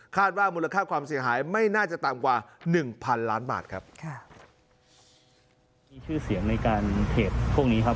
คาดว่ามูลค่าความเสียหายไม่น่าจะต่ำกว่า๑๐๐๐ล้านบาทครับ